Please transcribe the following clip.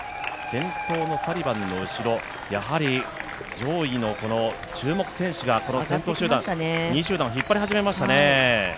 先頭のサリバンの後ろ、やはり上位の注目選手がこの先頭集団、２位集団を引っ張り始めましたね。